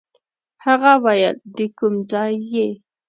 هغه ویل د کوم ځای یې.